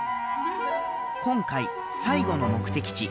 今回最後の目的地